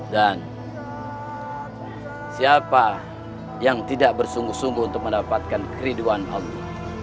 dan siapa yang tidak bersungguh sungguh untuk mendapatkan keriduan allah